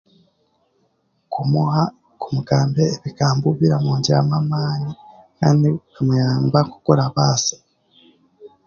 Kumuha kumugambira ebigambo biramwongyeramu amaani nabyo bimuyamba nk'oku orabaase